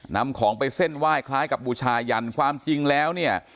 นำของไปเส้นไหว้คล้ายกับบูชายันความจริงแล้วเนี่ย